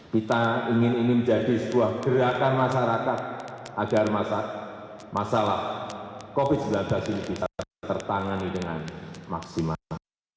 kita ingin menjadi sebuah gerakan masyarakat agar masalah covid sembilan belas ini bisa tertangani dengan maksimal